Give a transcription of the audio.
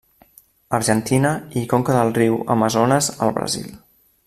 Argentina i conca del riu Amazones al Brasil.